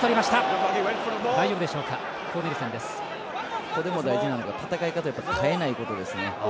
ここでも大事なのが戦い方を変えないことですね。